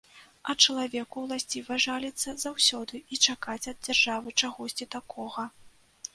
А чалавеку ўласціва жаліцца заўсёды і чакаць ад дзяржавы чагосьці такога.